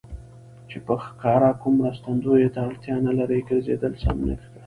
چې په ښکاره کوم مرستندویه ته اړتیا نه لري، ګرځېدل سم نه ښکارېدل.